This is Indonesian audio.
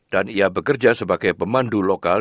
dan ia bekerja sebagai pemandu lokal